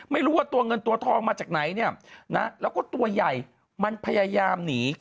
ไม่รู้ว่าตัวเงินตัวทองมาจากไหนเนี่ยนะแล้วก็ตัวใหญ่มันพยายามหนี